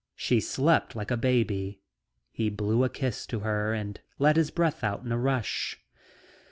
She slept like a baby. He blew a kiss to her and let his breath out in a rush.